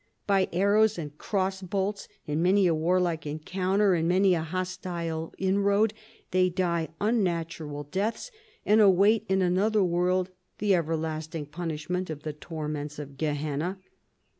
By arrows and crossbolts, in many a war like encounter and many a hostile inroad, they die unnatural deaths, and await in another world the ever lasting punishment of the torments of Gehenna.